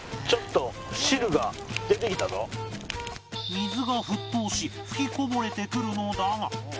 水が沸騰し吹きこぼれてくるのだが